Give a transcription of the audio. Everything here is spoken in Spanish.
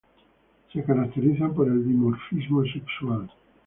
Se caracterizan por el dimorfismo sexual.